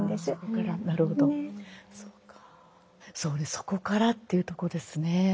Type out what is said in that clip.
「そこから」っていうとこですね。